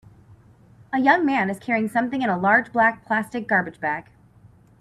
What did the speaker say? A young man is carrying something in a large black plastic garbage bag.